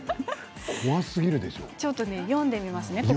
ちょっと読んでみますね。